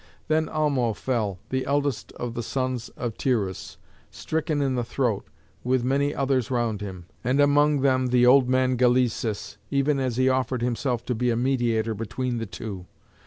Then Almo fell, the eldest of the sons of Tyrrheus, stricken in the throat, with many others round him, and among them the old man Galæsus, even as he offered himself to be a mediator between the two.